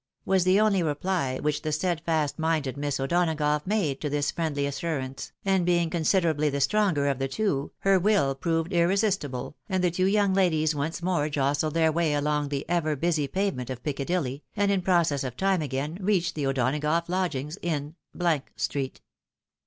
" was the only reply which the steadfast minded Miss O'Donagough made to this friendly as surance, and being considerably the stronger of the two, her will proved iiTesistible, and the two young ladies once more jostled their way along the ever busy pavement of Piccadilly, and in process of time again reached the O'Donagough lodgings in street.